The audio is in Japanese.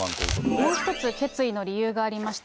もう一つ、決意の理由がありました。